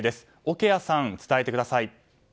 桶屋さん、伝えてください。